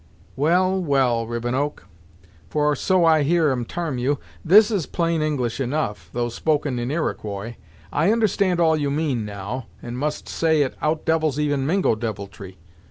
"Well, well, Rivenoak for so I hear 'em tarm you This is plain English, enough, though spoken in Iroquois. I understand all you mean, now, and must say it out devils even Mingo deviltry!